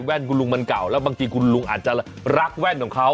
คุณลุงมันเก่าแล้วบางทีคุณลุงอาจจะรักแว่นของเขา